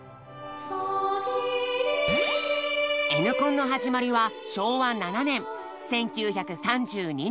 Ｎコンの始まりは昭和７年１９３２年。